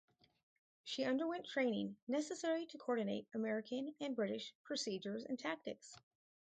She underwent training necessary to coordinate American and British procedures and tactics.